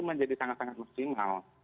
menjadi sangat sangat maksimal